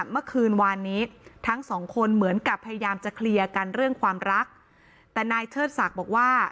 เมื่อวานนี้ทั้งสองคนเหมือนกับพยายามจะเคลียร์กันเรื่องความรักแต่นายเชิดศักดิ์บอกว่า